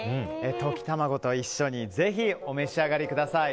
溶き卵と一緒にぜひお召し上がりください。